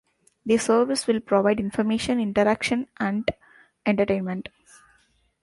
The service will provide information, interaction and entertainment.